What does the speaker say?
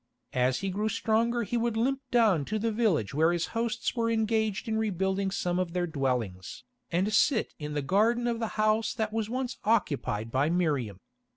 As he grew stronger he would limp down to the village where his hosts were engaged in rebuilding some of their dwellings, and sit in the garden of the house that was once occupied by Miriam.